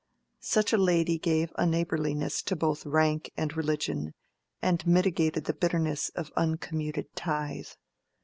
Such a lady gave a neighborliness to both rank and religion, and mitigated the bitterness of uncommuted tithe.